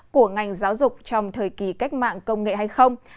của ngành giáo dục trong thời kỳ cách mạng công nghệ hay không